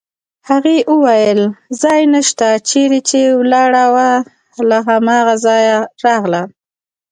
هغې وویل: ځای نشته، چېرې چې ولاړه وه له هماغه ځایه راغله.